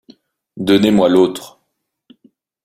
Donnez-moi l’autre.